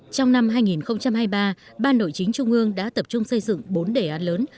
trong năm hai nghìn hai mươi ba ban nội chính trung ương đã tập trung xây dựng bốn đề án lớn